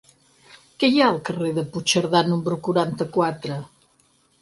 Què hi ha al carrer de Puigcerdà número quaranta-quatre?